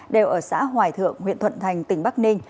đều ở xã hoài thượng huyện thuận thành tỉnh bắc ninh